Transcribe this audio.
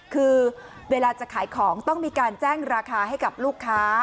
คือเวลาจะขายของต้องมีการแจ้งราคาให้กับลูกค้า